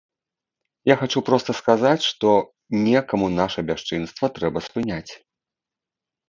Я хачу проста сказаць, што некаму наша бясчынства трэба спыняць.